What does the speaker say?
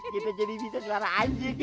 kita jadi bisa suara anjing ya